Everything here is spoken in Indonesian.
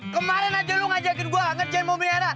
kemarin aja lo ngajakin gue ngerjain mau merihara